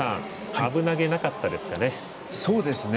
危なげなかったですかね？